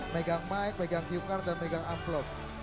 megang mic megang cue card dan megang amplop